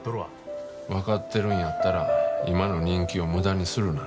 わかってるんやったら今の人気を無駄にするな。